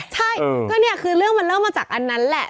ใช่ก็เนี่ยคือเรื่องมันเริ่มมาจากอันนั้นแหละ